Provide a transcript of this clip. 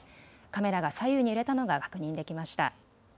カメラが左右に揺れたのが確認できました。